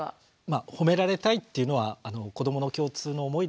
まっほめられたいっていうのは子どもの共通の思いだと思います。